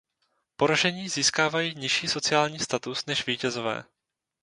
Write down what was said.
Poražení získávají nižší sociální status než vítězové.